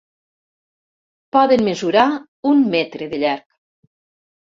Poden mesurar un metre de llarg.